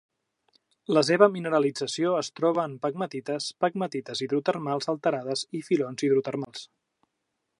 La seva mineralització es troba en pegmatites, pegmatites hidrotermals alterades i filons hidrotermals.